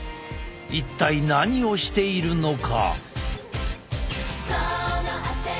一体何をしているのか？